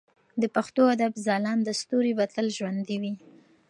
د پښتو ادب ځلانده ستوري به تل ژوندي وي.